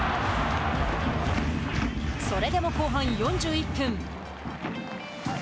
それでも後半４１分。